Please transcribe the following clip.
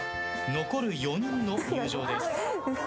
残る４人の入場です。